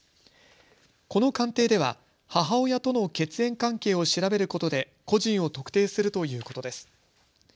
この鑑定では母親との血縁関係を調べることで個人を特定するということです。